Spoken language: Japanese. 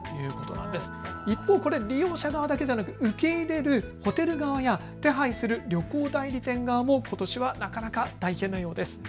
一方、これは利用者側だけではなく受け入れるホテル側や手配する旅行代理店側もことしはなかなか大変なようです。